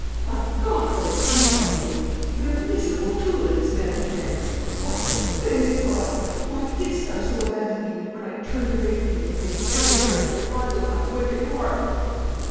my God! what a dupe I have been; what a miserable tool in this man's hands! O my offended God! why didst Thou so abandon me, when I turned away from Thee, and made Edward Arundel the idol of my wicked heart?"